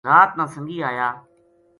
رات نا سنگی آیا